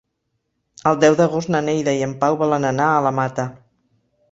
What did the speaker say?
El deu d'agost na Neida i en Pau volen anar a la Mata.